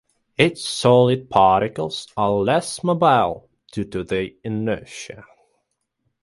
Its solid particles are less mobile due to their inertia.